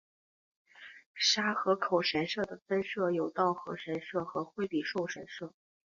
沙河口神社的分社有稻荷神社和惠比寿神社。